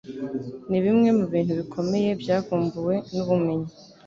Nibimwe mubintu bikomeye byavumbuwe mubumenyi.